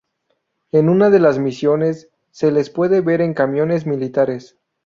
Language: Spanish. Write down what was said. En una de las misiones, se les puede ver en camiones militares.